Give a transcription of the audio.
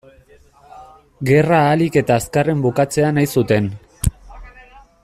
Gerra ahalik eta azkarren bukatzea nahi zuten.